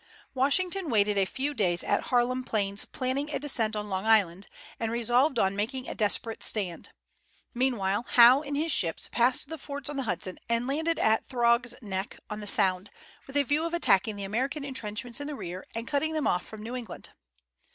Washington waited a few days at Harlem Plains planning a descent on Long Island, and resolved on making a desperate stand. Meanwhile Howe, in his ships, passed the forts on the Hudson and landed at Throg's Neck, on the Sound, with a view of attacking the American intrenchments in the rear and cutting them off from New England.